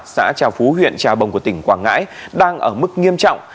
xã trà phú huyện trà bồng của tỉnh quảng ngãi đang ở mức nghiêm trọng